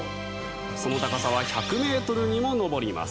その高さは１００ｍにも上ります。